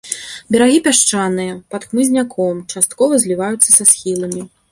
Берагі пясчаныя, пад хмызняком, часткова зліваюцца са схіламі.